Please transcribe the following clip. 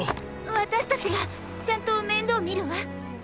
私たちがちゃんと面倒見るわ！